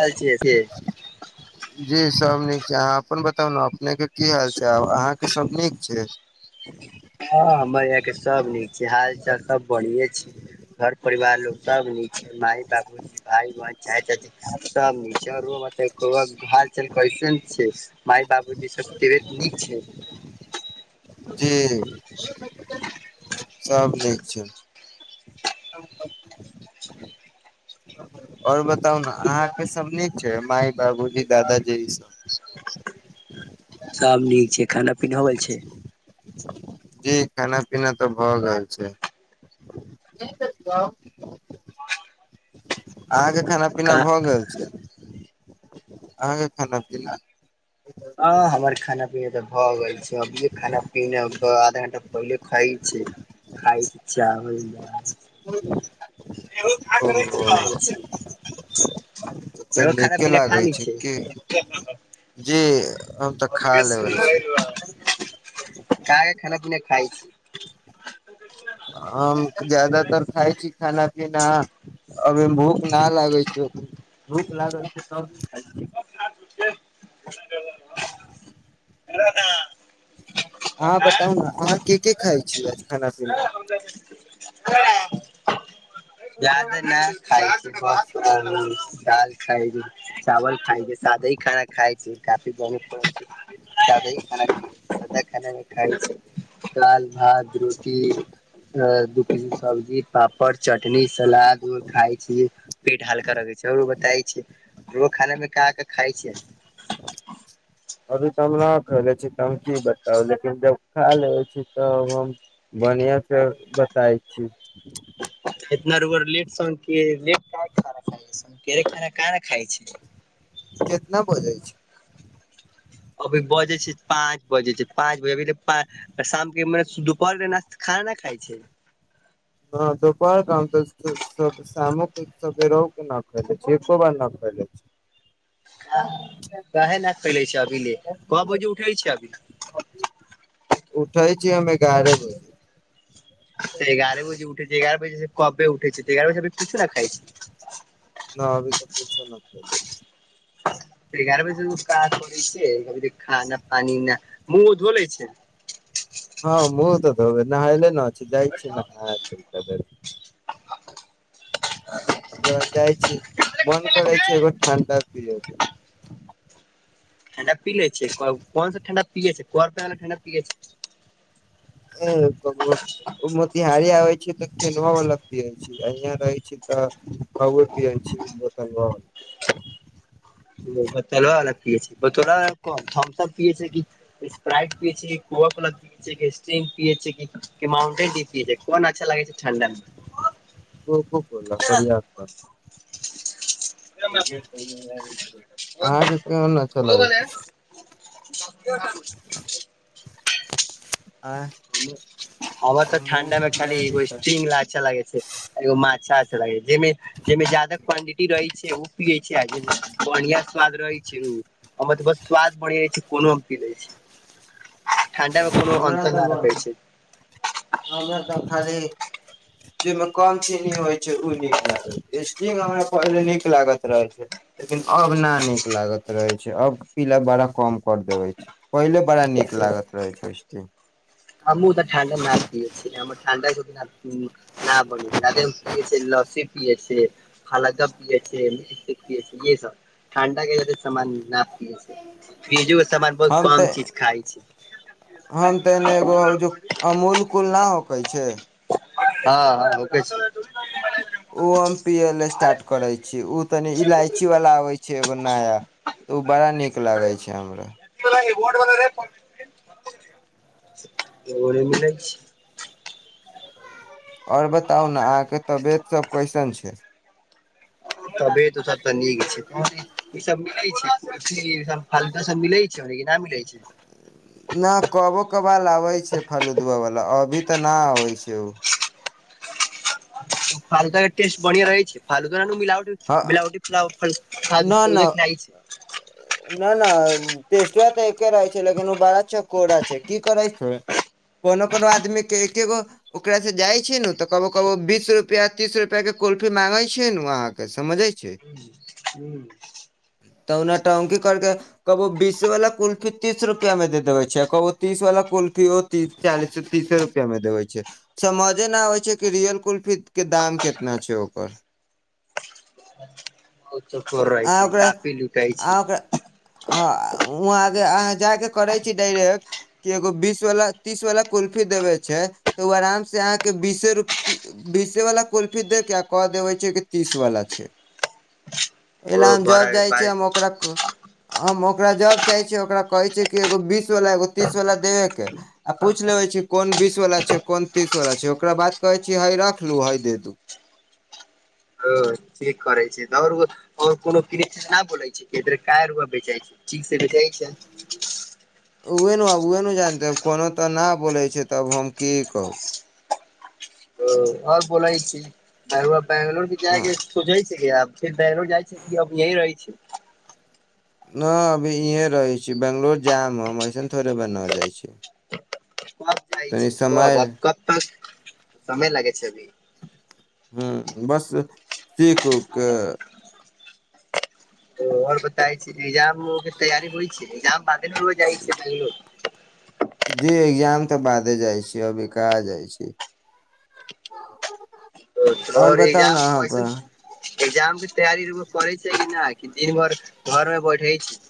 [unintelligible] छियै जे [inaudible] जी सब नीक छै अहाँ अपन बताउ ने अपने केँ की हाल छै आ अहाँ केँ सब नीक छै हँ हमर यहाँ के सब नीक छै हाल चाल सब बढ़िए छै घर परिवार लोग सब नीचे माय बाबूजी भाय बहिन चाचा चाची तऽ नीक छै और बताबी को गाँव घरक कैस ने छै माय बाबू ज सब तबियत नीक छै जी [inaudible] सब नीक छै आ ओर बताउ ने अहाँके सब नीक छै मााय बाबूजी दादाजी ई सब सब नीक छै खाना पीना होल छै जी खाना पीना त भ गेल छै अहाँकेँ खाना पीना का भऽ गेल छै अहाँ के खाना पिना ह [inaudible] ह हमर खाना पीना त भ गेल छै अभीए खाना पीना आधा घंटा पहिले खाइ छै खाइ छै चावल दाल ह्म क करै छै तऽ देखो खाना नीके पीना खा लागै लै छै की छिये जी हम तऽ खा लेबै छी काह क खाना पीना खा छी हम ज्यादातर खाइ छी खाना पीना अभ भूख न लागै छै भूख लागल छै तब खाय छियै [inaudible] ह [unintelligible] अहाँ बताउ ने अहाँ की की खााय छीयै खाना मे हँ [unintelligible] ज्यादे ने खाइ छी ब [unintelligible] दाल खइल चावल खाय छै साादे ह खाना खाय छै काफी बम पै छै [unintelligible] सादे खाना ऊ सादा खाना न खाइ छै [unintelligible] दाल भात रोटी अ दु तीन सब्जी पापड़ चटनी [unintelligible] चटनी सलाद उद खााय छी पेट हल्का रहगै छै [unintelligible] आऔरो बताय छै सुबह खाना मे का का खाइ छियै अभी त हम नहि खले छी त हम की बताउ लेकिन जब खा लेबै छी तब हम बढ़िआं से बताय छीये इतना रूबर लेट सन के लेट क खाना खाय सन खाना काहे ने खाय छै [unintelligible] केतना बजै छै अभी बजे छै पाँच बजे छै पाँच बजे अभी ते शाम के मने दुपहर मे खाना ने खाइ छै हँ तोप काम त [unintelligible] सामुक उसके [unintelligible] रहू कि न खैले छै एको बर न खैले छै के न फैले छै अभी ले क बजे उठेल छै अभी [unintelligible] उठै छीयै अमे एगारेह बजे त एगारह बजे उठै छै एगारह बजे से कबे उठै छै त एगारह ह बजे भी किछु ने खाय छै [unintelligible] न अभी त पूछो न क [inaudible] गयारह बजे उठ क काज करे छिये अभी तक खाना पानि न मुँह ओर धो ले छिये [unintelligible] हँ मुँ तऽ [unintelligible] देै नल ने जाइ छी न ओकरा जाइ छी मोन करै छै एकगो ठडा पी लेबे के ठण्डा पी लेय छिये तब कोन ठण्डा पिये छै कोन वला ठण्डा पिये छै [unintelligible] म तहारारी आै छै त के नव लगती रहै छै [unintelligible] यहाँ रहै छी तऽ कए पिय छी बतन [unintelligible] ओ बोतलो [unintelligible] अलग पीए छै बोतला अल कम थमथम पीए छै किी स्प्राइट पिए छीय कोआ फला स्टिंग पियउंटेन पिय छै कोन अच्छा लागे छै ठण्डा मे [unintelligible] को को को [unintelligible] लकड़ आ त अहाँके केहन अच्छा लागे कठ [unintelligible] आ [unintelligible] हमर त ठण्डा मे खाली एगो स्ट्रिंग अच्छा लागे छै एगो माजा अच्छा लागे छै जाहिमे जाहिमे जादा क्वांटिटी रहै छै ओ पिये छै आमे बढ़िया स्वाद रहे छै ओ [unintelligible] ओ तऽ ब स्वाद बढ़िया छै कोनो फील छै ठंडा मे कोनो हमरा अंतर तऽ न रख [unintelligible] [inaudible] हमरा खाली जामे कम चनी होइ छै नीक लागल छै। स्टींग हमरा पहिले नीक लागत रहै लेकिन अब न नीक लागत रहे छै अब पीलै बड़ा कम कर देवे छीये पहिले बड़ा नीक छै लागैत रहै छै हमहूँ त ठण्डा ना पी छियै ठण्डा के बिना न बने छैदे पियए छै लस्सी पियत [unintelligible] छै हाला जब पिए मिर्च पिए ये सब ठण्डा के जादा समान न पियए छै [unintelligible] फ्रिजो सामान बहुत हम कम तऽ चीज खाय छीये हम तनि एगो हउ अमूल कूल नहि होकै छै हँ हँ ओ छै [unintelligible] ओ हम पियै ल स्टार्ट करै छी ओ तनी इलायची वाला आबै छै एगो नया तऽ ओ बड़ा नीक लागै छै हमरा [unintelligible] ओरे मिले छै आओर बताउ न अहाँके तबियत सब कैसन छै तबियत सब त नीक छै ई सब मिलै छै की अथि सब हल्का सब मिलै छै कि न मिलै छै न कबो कबाल आबे छै फलूदुआ वाला अभी तऽ न आबे छै उ फाल्का केँ टेेस्ट बढ़िया रहै छै फालूद मिलवट हँ मिलवटी फद फा फालूदा खिलाबे छै ना ना टेस्टबा तऽ एके रहै छै लेकिन ओ बड़ा चकोड़ा छै की करै छै कोनो कोनो आदमीे के एकेगो ओकरा से जाइ छिये नू तऽ कबो कबो बीस र रुपैया तीस रुपैया के कलफी मांगे छिये नू अहाँ के समझै छै [inaudible] तऽ ओ नोटंकी करके कबो बीस वाला कुल्फी तीस रुपैया मे दे देबै छै कबो तीस वाला कुल्फीयो तीस चालीस तीसे रुपआ मे देबे छै समझे न आबे छै कि रियल कुल्फी के दाम कितना छै ओकर चोखोर रहे अहाँ छै ओकरा कापी लुटे छै अहाँ ओकरा हँ वहाँके अहाँ जायके करै छी डायरेक्ट की एगो बीस वाला तीस वाला कुल्फी देवे छै तऽ उ आराम से अहाँ के बीसे रूप ती बीसे वाला कुल्फी दे केऽ आ कहऽ देबै छै की तीस वाला छै एहि ओ लऽ हम बड़ा जब जाइ बाज छियै हम ओकरा कह हम ओकरा जब चाहै छियै ओकरा कहै छैयै कि एगो बीसवला एगो तीसवला देबेकेँ आ पूछि लेबे छी कोन बीस वला छै कोन तीस वालला छै ओकरा बाद कहे छी है रख लू है दे दू ओ ठीक करै छै [unintelligible] आओर कोनो क बोलै छै इधर कु बेच छै ठीक से बेचा छै ओह न आब ओह नू जानतै कोनो तऽ नऽ बोलै छै तब हम की कहू ओ आओर बोलै छी तऽ रौआ बैंगलोर भी हँ जाके सोझै छै कि आब फिर बेंगलोर जाइ छिये अब यही रहै छी न अभी इहे रहै छी बंगलोर जायब हम ऐसन थोड़े बा न जाइ छी कब जाइ तनी छै समय कब अब कब तक समय लागै छै अभी हूँ बस सीख उख के आओर बताय छी एग्जाम के तैयारी होइ छै एग्जाम बादे नू रैआ जाइ छै बैंगलोर जी एग्जाम तऽ बादे जाइ छी अभी कहाँ जाइ छी औ और बताउ न ईगजाम अहाँ प कैसन एग्जाम के तैयारी रौआ करै छै कि ना कि दिन भर घर मे बैठे छै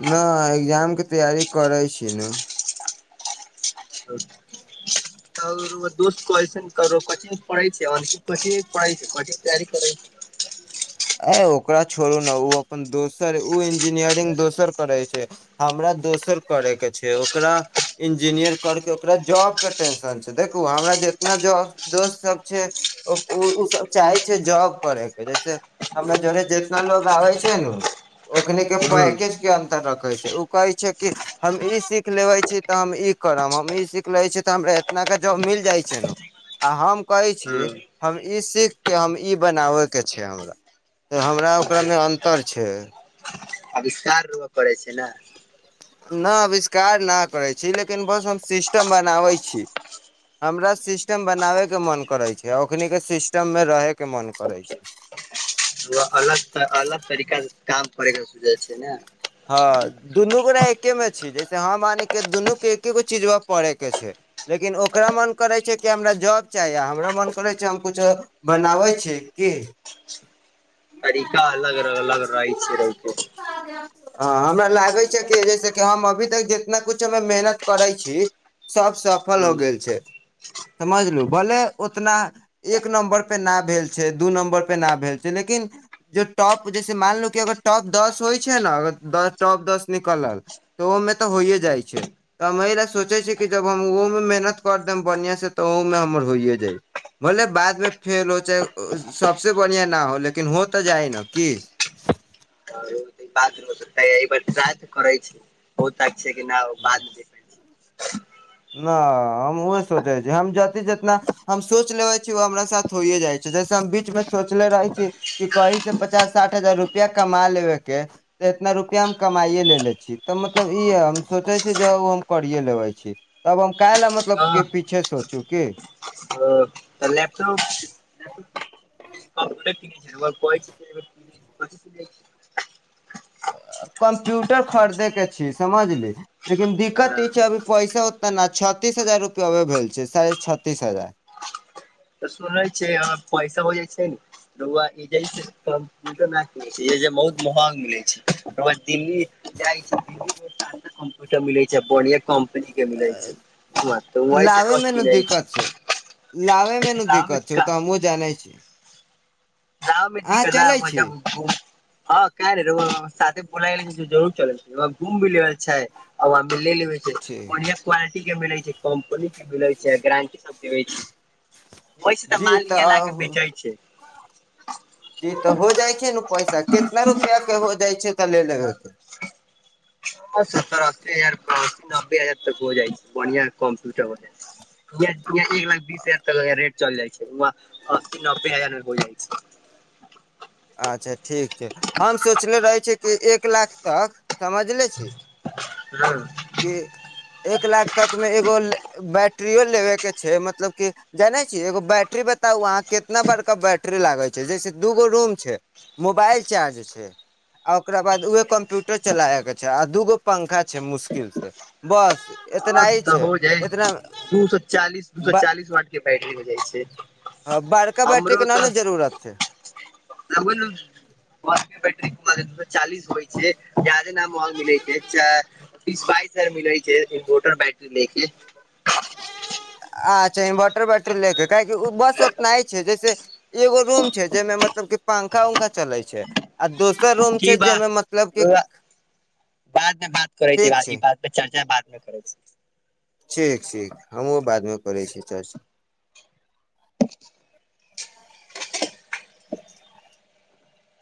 न एग्जामके तैयारी करै छी नू तर रैआ दोस्त कहै कथी पढ़ै छै कथी पढ़ै छै कथी तैयारी करै छै अ ओकरा छोड़ू ने उ अपन दोसर ओ इंजीनियरिंग दोसर करे छै हमरा दोसर करय के छै ओकरा इंजीनियर करके ओकरा जॉबके टेंशन छै देखू हमरा जेतना जॉब दोस्त सब छै ओ उऽ सब चाहे छै जॉब करै के जैसे हमरा जरे जेतना लोकग आबै छै नू ओखने के पैकेज हुँ के अंतर रखे छै उ कहै छै कि हम ई सीख लेबे छी तऽ हम ई करब हम ई सीख लेै छी तऽ हमरा इतना के जॉब मिल जाइ छै नू आ हम कहै छी हम ई सीखके हम ई बनाबैके छै हमरा तऽ हमरा ओकरामे अन्तर छै आविष्कार रौआ करै छै न नऽ अविष्कार नऽ करै छी लेकिन बस हम सिस्टम बनाबै छी हमरा सिस्टम बनावे के मन करे छै ओकनी के सिस्टम में रहे के मन करे छै पै अलग अलग तरीका से काम करैके सुझा छै ने हँ दुनू गोरा एके मे छी जैसे ह मानके दुनू के एके गो चीज पढ़े के छै लेकिन ओकरा मन करैत छै कि हमरा जॉब चाही आ हमरा मन करैत छै हम किछो बनाबै छै कि तरीका अलग अलग रहै छै रौके आ हँ हमरा लागै छै कि जैसे हम अभी तक जितना कुछ हमे मेहनत करै छी सब सफल हो हुँ गेल छै समझलु भोले उतना एक नम्बर पे ना भेल छै दू नम्बर पे न भेल छै जेनाकी ज टॉप जैसे मानलो कि अगर टॉप दस होइ छै ने अ टॉप दस निकलल तऽ ओहिमे त होइए जाइ छै त हम एहि ल सोचै छियै कि जब हम ओहोमे मेहनत कर देब बढ़िआँसँ त ओहोमे हमर होइए जाय भलेबादमे फेल हो च सबस बढ़िया ना हो लेकिन हो त जाइ न की त बातार राय त करै छै बहु त छै नय बाद जे नहि हम उह सोचै छी हम जितना जितना हम सोच लेबे छी ओ हमरा साथ होइय जाइ छै जैसे हम बीच मे सोचले रहै छी क कही से पचास साठ हजार रुपआ कमा लेबेके तऽ एतना रुपआ हम कमाइए लेे ले छी त मतलब ई य हम सोचै छी जे ओ हम करिये लेबै छी तब हम काल ल मतलब के पीछे सोचू की आ लैपटॉप कहै कथी किनै छै कम्प्यूटर खरीदे के छै समझली लेकिन दिक्कत हँ ई छै अभी पैसा ओते ने छत्तीस हजार रुपआ भेल छै साढ़े छत्तीस हजार त सुनै छै अहा पैसा हो जाइ छै रौ बहुत महंग मिले छै [unintelligible] ओकर बाद दिल्ली जाइ छै दिल्ली मेा कम्प्यूटर मिलै छै बढ़िया कंपनी के मिल तऽइ ब कइ छै [unintelligible] लावे मेनू आब दिक्कत छै ओ त का हमूओ जानै छै जा मेक मजा छी ब हँ [unintelligible] काइल रउआ साथे [unintelligible] बढ़िया क्वालिटी छै के मिलैत छै कम्पनी के मिलैत छै गारंटी सब के हो छै ओहिस तऽ जी माल इह लाके तऽ बेचै छै जी तऽ हो जाइ छै ने पैसा कितना रुपआ के हो जाइ छै त ले लेबे के ह सत्तर अस्सी हजार अस्सी नब्बे हजार तक हो जाइ छै बढ़िआँ कम्प्यूटर हो जाइ छै य एक लाख बीस हजार तक रेट चल जाइ छै वहाँ अस्सी नबे हजार मे होल जाइ छै अच्छा ठीक छै हम सोचले रहै छिय कि एक लाख तक समझले छी हँ कि एक लाख तक मे एगो बैट्रियो लेबेके छै मतलब कि जानै छीयै एगो बैटरी बताउ अहाँ कितना बड़का बैटरी लागै छै जैसे दू गो रूम छै मोबाइल चार्ज छै आ ओकरा बाद उएह कंप्यूटर चलाव के छै आ दूगो पंखा छै मुशक मुकिल छै बस एतना ह ही तऽ छै हो जाइ एतना दू सए चालीस दू सए चालीस वाट के बैटरी हो जाइ छै अ बारका बैटरी के न नू जरूरत छै आ बोलू मसत बैट्र दू सए चालीस होइ छै जाजे न महग मिलै छै इसबाइसर मिलै छै इन्वर्टर बैटरी ले के अच्छा इन्वर्टर बैटरी लेके काहैकी बस उतना ह छै जैसे एगो रूम छै जेहिमे मतलब की पंखा उंखा चलै छै आ दोसर रूम की छै बा जेमे मतलब क बाद मे बात करै ठीक छै ई बात चर्चा बाद मे करब से ठीक ठीक हमहुँ बादमे करै छीय चर्चा [inaudible]